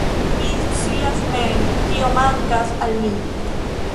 Mi scias mem, kio mankas al mi.